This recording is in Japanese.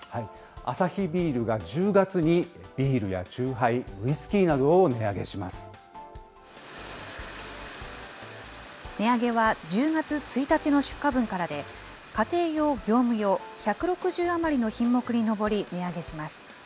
アサヒビールが１０月にビールや酎ハイ、値上げは、１０月１日の出荷分からで、家庭用、業務用、１６０余りの品目に上り値上げします。